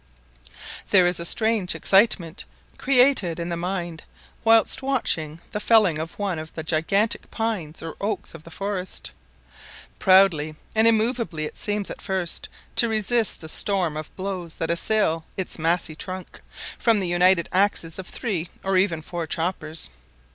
There is a strange excitement created in the mind whilst watching the felling of one of the gigantic pines or oaks of the forest. Proudly and immoveably it seems at first to resist the storm of blows that assail its massy trunk, from the united axes of three or even four choppers.